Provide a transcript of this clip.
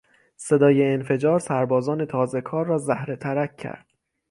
صدای انفجار سربازان تازهکار را زهره ترک کرد.